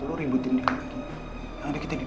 lu ributin dia lagi